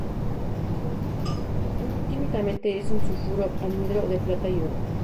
Químicamente es un sulfuro anhidro de plata y oro.